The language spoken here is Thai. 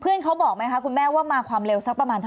ตีคู่กันตลอดไหมก็ตรงนั้นไม่ทราบว่าตีคู่กันมาตลอด